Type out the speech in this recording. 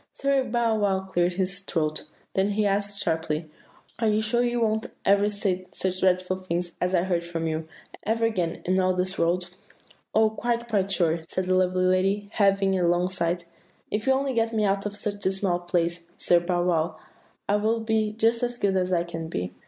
"Sir Bow wow cleared his throat; then he asked sharply, 'Are you sure you won't ever say such dreadful things as I heard from you, ever again, in all this world?' "'Oh, quite, quite sure!' said the lovely lady, heaving a long sigh; 'if you will only get me out of this dismal place, Sir Bow wow, I will be just as good as I can be.